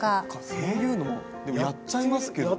そういうのでもやっちゃいますけどね。